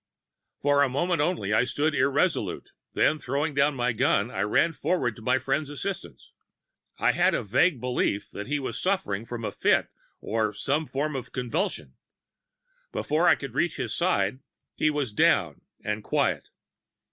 "For a moment only I stood irresolute, then, throwing down my gun, I ran forward to my friend's assistance. I had a vague belief that he was suffering from a fit or some form of convulsion. Before I could reach his side he was down and quiet.